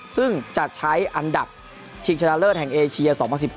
ซึ่งจะใช้อันดับชิงชนะเลิศแห่งเอเชีย๒๐๑๙